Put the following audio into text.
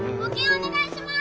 お願いします！